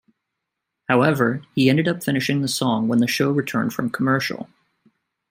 However, he ended up finishing the song when the show returned from commercial.